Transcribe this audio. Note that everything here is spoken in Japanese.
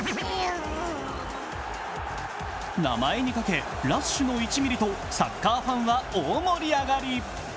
名前にかけ、ラッシュの１ミリとサッカーファンは大盛り上がり。